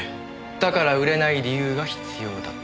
だから売れない理由が必要だった。